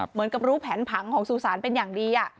เหมือนกับรู้แผนผังของสุสานเป็นอย่างดี